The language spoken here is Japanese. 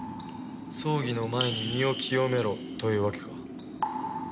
葬儀の前に身を清めろというわけか。